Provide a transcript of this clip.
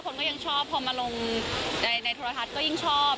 คนก็ยังชอบพอมาลงในโทรทัศน์ก็ยิ่งชอบ